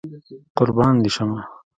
قربان دي شمه